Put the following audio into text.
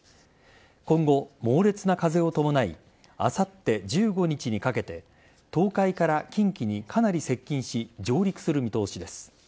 今後、猛烈な風を伴いあさって１５日にかけて東海から近畿にかなり接近し上陸する見通しです。